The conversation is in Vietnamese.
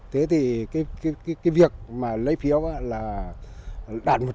thế thì cái việc mà lấy phiếu là đạt một trăm linh